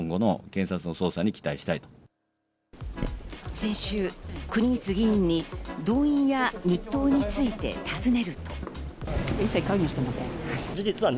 先週、国光議員に動員や日当について尋ねると。